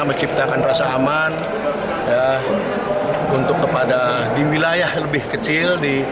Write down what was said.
menciptakan rasa aman untuk kepada di wilayah lebih kecil